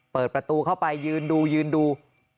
เปิดประตูเข้าไปยืนดูยืนดู